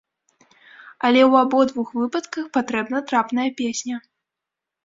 Але ў абодвух выпадках патрэбная трапная песня.